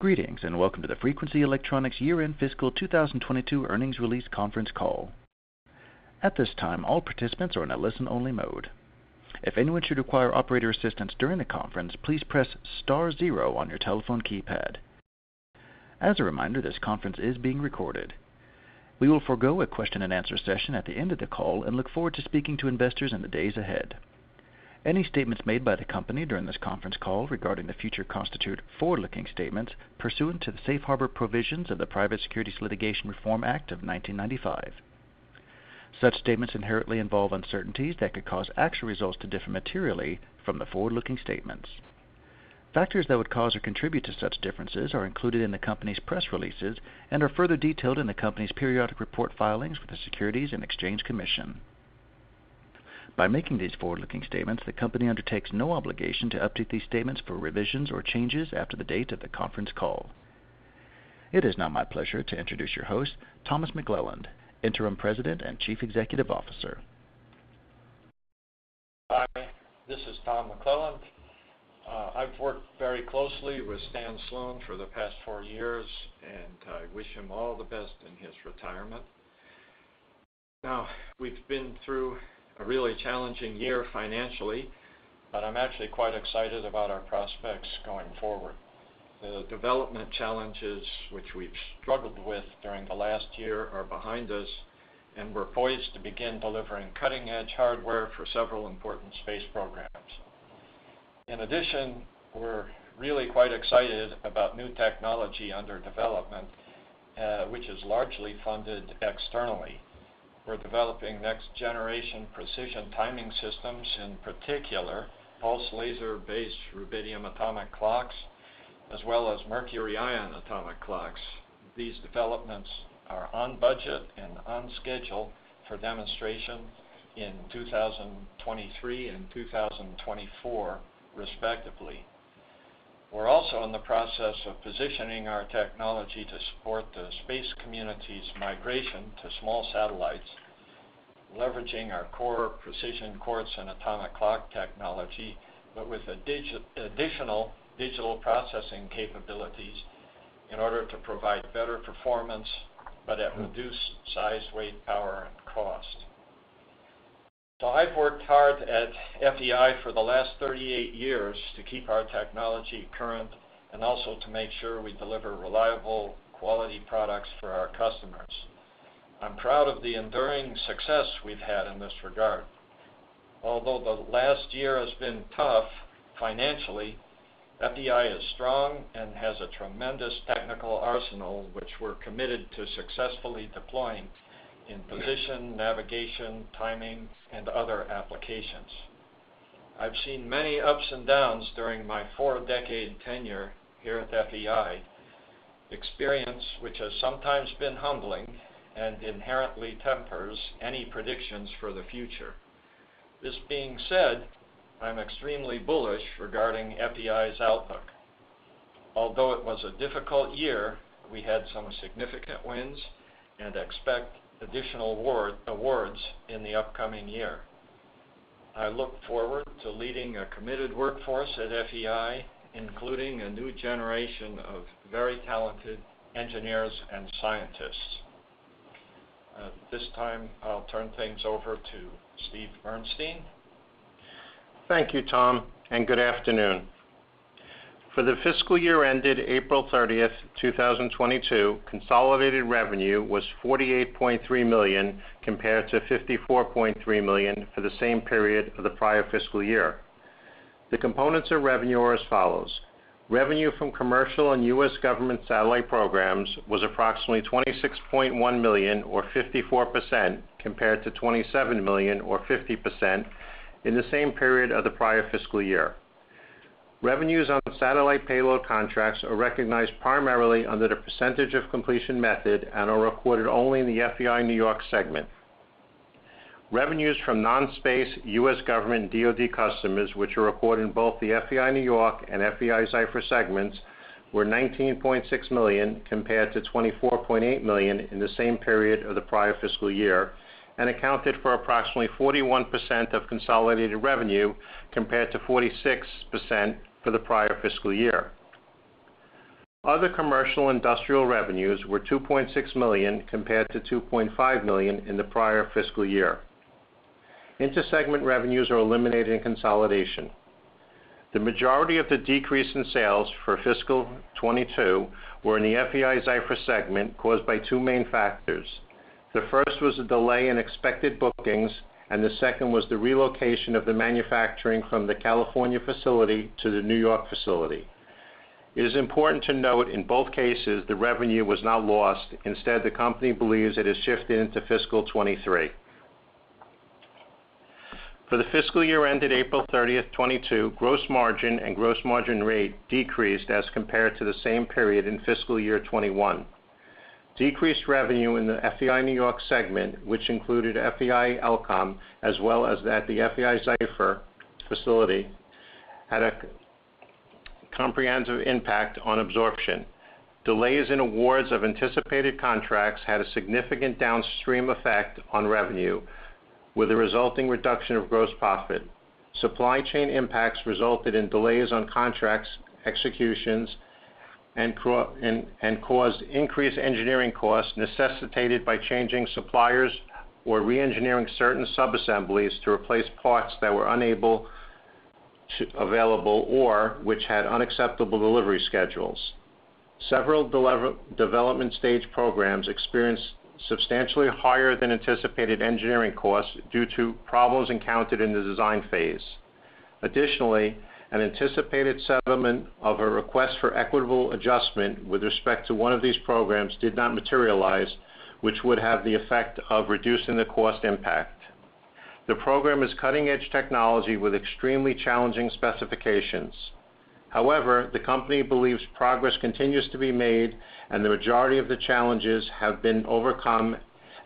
Greetings, and welcome to the Frequency Electronics year-end fiscal 2022 earnings release conference call. At this time, all participants are in a listen-only mode. If anyone should require operator assistance during the conference, please press star zero on your telephone keypad. As a reminder, this conference is being recorded. We will forego a question-and-answer session at the end of the call and look forward to speaking to investors in the days ahead. Any statements made by the company during this conference call regarding the future constitute forward-looking statements pursuant to the safe harbor provisions of the Private Securities Litigation Reform Act of 1995. Such statements inherently involve uncertainties that could cause actual results to differ materially from the forward-looking statements. Factors that would cause or contribute to such differences are included in the company's press releases and are further detailed in the company's periodic report filings with the Securities and Exchange Commission. By making these forward-looking statements, the company undertakes no obligation to update these statements for revisions or changes after the date of the conference call. It is now my pleasure to introduce your host, Thomas McClelland, Interim President and Chief Executive Officer. Hi, this is Tom McClelland. I've worked very closely with Stan Sloan for the past four years, and I wish him all the best in his retirement. Now, we've been through a really challenging year financially, but I'm actually quite excited about our prospects going forward. The development challenges which we've struggled with during the last year are behind us, and we're poised to begin delivering cutting-edge hardware for several important space programs. In addition, we're really quite excited about new technology under development, which is largely funded externally. We're developing next-generation precision timing systems, in particular, Pulsed Laser-Based Rubidium Atomic Clocks, as well as Mercury Ion Atomic Clocks. These developments are on budget and on schedule for demonstration in 2023 and 2024, respectively. We're also in the process of positioning our technology to support the space community's migration to small satellites, leveraging our core precision quartz and atomic clock technology, but with additional digital processing capabilities in order to provide better performance but at reduced size, weight, power, and cost. I've worked hard at FEI for the last 38 years to keep our technology current and also to make sure we deliver reliable, quality products for our customers. I'm proud of the enduring success we've had in this regard. Although the last year has been tough financially, FEI is strong and has a tremendous technical arsenal which we're committed to successfully deploying in position, navigation, timing, and other applications. I've seen many ups and downs during my 40-year tenure here at FEI, experience which has sometimes been humbling and inherently tempers any predictions for the future. This being said, I'm extremely bullish regarding FEI's outlook. Although it was a difficult year, we had some significant wins and expect additional awards in the upcoming year. I look forward to leading a committed workforce at FEI, including a new generation of very talented engineers and scientists. At this time, I'll turn things over to Steve Bernstein. Thank you, Tom, and good afternoon. For the fiscal year ended April 30th, 2022, consolidated revenue was $48.3 million compared to $54.3 million for the same period of the prior fiscal year. The components of revenue are as follows. Revenue from commercial and U.S. government satellite programs was approximately $26.1 million or 54% compared to $27 million or 50% in the same period of the prior fiscal year. Revenues on satellite payload contracts are recognized primarily under the percentage of completion method and are recorded only in the FEI-NY segment. Revenues from non-space US government DoD customers, which are recorded in both the FEI-NY and FEI-Zyfer segments, were $19.6 million compared to $24.8 million in the same period of the prior fiscal year and accounted for approximately 41% of consolidated revenue compared to 46% for the prior fiscal year. Other commercial industrial revenues were $2.6 million compared to $2.5 million in the prior fiscal year. Inter-segment revenues are eliminated in consolidation. The majority of the decrease in sales for fiscal 2022 were in the FEI-Zyfer segment caused by two main factors. The first was a delay in expected bookings, and the second was the relocation of the manufacturing from the California facility to the New York facility. It is important to note in both cases, the revenue was not lost. Instead, the company believes it has shifted into fiscal 2023. For the fiscal year ended April 30th, 2022, gross margin and gross margin rate decreased as compared to the same period in fiscal year 2021. Decreased revenue in the FEI-NY segment, which included FEI-Elcom Tech, as well as at the FEI-Zyfer facility, had a comprehensive impact on absorption. Delays in awards of anticipated contracts had a significant downstream effect on revenue, with a resulting reduction of gross profit. Supply chain impacts resulted in delays on contracts, executions, and caused increased engineering costs necessitated by changing suppliers or reengineering certain subassemblies to replace parts that were unavailable or which had unacceptable delivery schedules. Several development stage programs experienced substantially higher than anticipated engineering costs due to problems encountered in the design phase. Additionally, an anticipated settlement of a request for equitable adjustment with respect to one of these programs did not materialize, which would have the effect of reducing the cost impact. The program is cutting-edge technology with extremely challenging specifications. However, the company believes progress continues to be made and the majority of the challenges have been overcome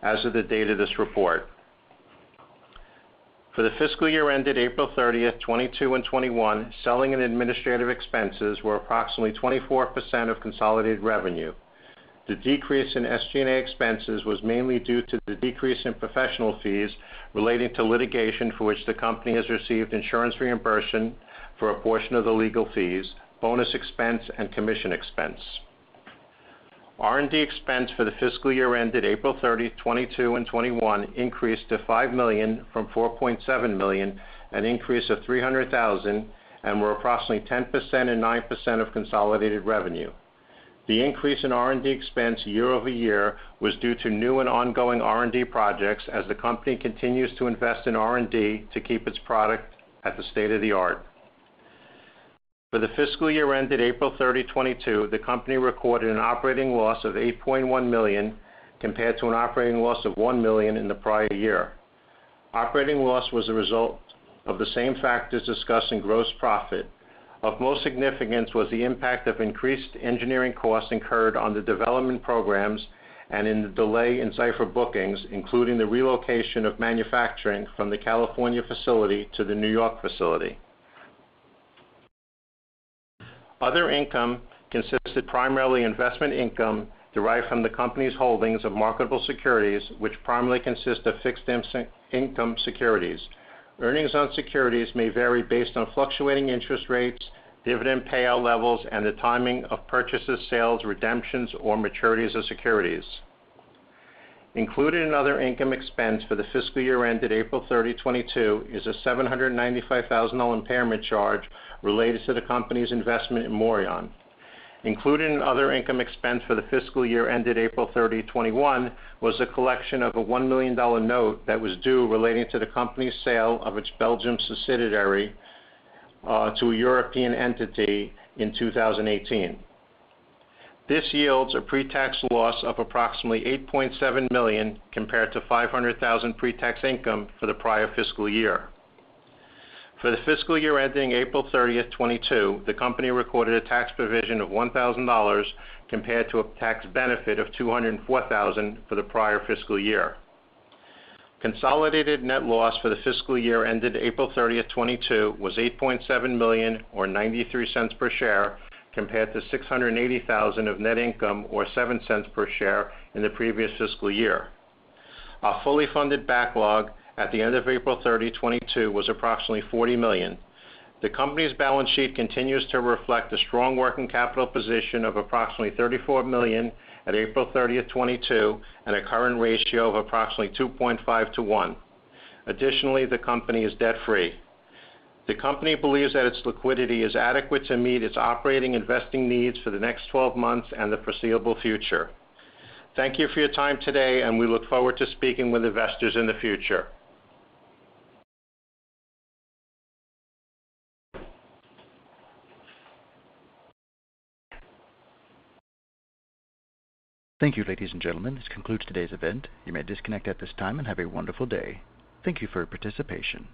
as of the date of this report. For the fiscal year ended April 30th, 2022 and 2021, selling and administrative expenses were approximately 24% of consolidated revenue. The decrease in SG&A expenses was mainly due to the decrease in professional fees relating to litigation for which the company has received insurance reimbursement for a portion of the legal fees, bonus expense and commission expense. R&D expense for the fiscal year ended April 30th, 2022 and 2021 increased to $5 million from $4.7 million, an increase of $300,000, and were approximately 10% and 9% of consolidated revenue. The increase in R&D expense year-over-year was due to new and ongoing R&D projects as the company continues to invest in R&D to keep its product at the state-of-the-art. For the fiscal year ended April 30, 2022, the company recorded an operating loss of $8.1 million compared to an operating loss of $1 million in the prior year. Operating loss was a result of the same factors discussed in gross profit. Of most significance was the impact of increased engineering costs incurred on the development programs and in the delay in Zyfer bookings, including the relocation of manufacturing from the California facility to the New York facility. Other income consisted primarily of investment income derived from the company's holdings of marketable securities, which primarily consist of fixed income securities. Earnings on securities may vary based on fluctuating interest rates, dividend payout levels, and the timing of purchases, sales, redemptions, or maturities of securities. Included in other income (expense) for the fiscal year ended April 30, 2022 is a $795,000 impairment charge related to the company's investment in Morion. Included in other income (expense) for the fiscal year ended April 30, 2021 was a collection of a $1 million note that was due relating to the company's sale of its Belgian subsidiary to a European entity in 2018. This yields a pre-tax loss of approximately $8.7 million compared to $500,000 pre-tax income for the prior fiscal year. For the fiscal year ending April 30th, 2022, the company recorded a tax provision of $1,000 compared to a tax benefit of $204,000 for the prior fiscal year. Consolidated net loss for the fiscal year ended April 30th, 2022 was $8.7 million or $0.93 per share, compared to $680,000 of net income or $0.07 per share in the previous fiscal year. Our fully funded backlog at the end of April 30, 2022 was approximately $40 million. The company's balance sheet continues to reflect a strong working capital position of approximately $34 million at April 30th, 2022, and a current ratio of approximately 2.5 to 1. Additionally, the company is debt-free. The company believes that its liquidity is adequate to meet its operating and investing needs for the next 12 months and the foreseeable future. Thank you for your time today, and we look forward to speaking with investors in the future. Thank you, ladies and gentlemen. This concludes today's event. You may disconnect at this time and have a wonderful day. Thank you for your participation.